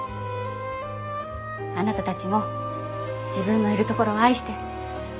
あなたたちも自分のいるところを愛して。